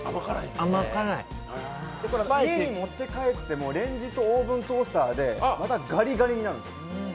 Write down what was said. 家に持って帰っても、レンジとオーブントースターでまたガリガリになるんですよ。